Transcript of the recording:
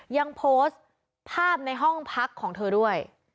ยังโพสต์ภาพในห้องพักของเธอด้วย